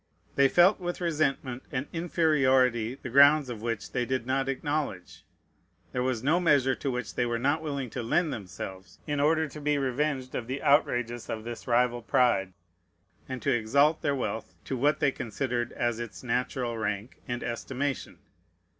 They felt with resentment an inferiority the grounds of which they did not acknowledge. There was no measure to which they were not willing to lend themselves, in order to be revenged of the outrages of this rival pride, and to exalt their wealth to what they considered as its natural rank and estimation.